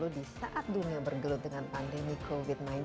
di saat dunia bergelut dengan pandemi covid sembilan belas